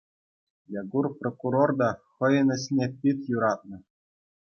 Якур прокурор та хӑйӗн ӗҫне пит юратнӑ.